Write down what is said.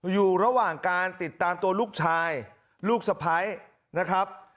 อยู่ระหว่างการติดตามตัวลูกชายลูกสะพ้ายนะครับ